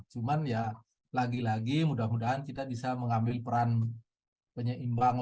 cuman ya lagi lagi mudah mudahan kita bisa mengambil peran penyeimbang